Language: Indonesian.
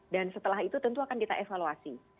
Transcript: dan setelah itu tentu akan kita evaluasi